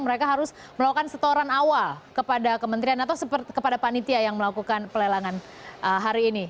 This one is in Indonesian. mereka harus melakukan setoran awal kepada kementerian atau kepada panitia yang melakukan pelelangan hari ini